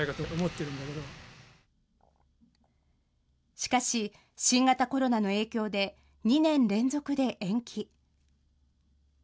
しかし、新型コロナの影響で、２年連続で延期。